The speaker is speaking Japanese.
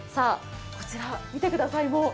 こちら見てください